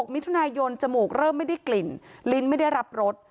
มิถุนายนจมูกเริ่มไม่ได้กลิ่นลิ้นไม่ได้รับรส